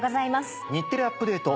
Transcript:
『日テレアップＤａｔｅ！』